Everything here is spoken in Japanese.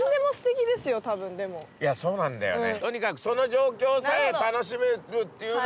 いやそうなんだよね。